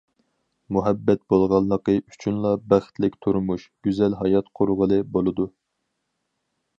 مۇھەببەت بولغانلىقى ئۈچۈنلا بەختلىك تۇرمۇش، گۈزەل ھايات قۇرغىلى بولىدۇ.